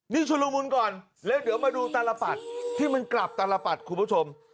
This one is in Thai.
นี่ชุลมุนก่อนแล้วเดี๋ยวมาดูตลปัดที่มันกลับตลปัดคุณผู้ชม